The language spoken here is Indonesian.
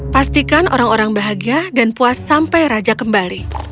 pastikan orang orang bahagia dan puas sampai raja kembali